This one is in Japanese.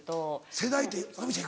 世代って亜美ちゃん